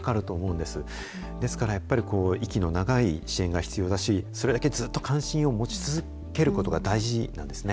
ですからやっぱり息の長い支援が必要だし、それだけずっと関心を持ち続けることが大事なんですね。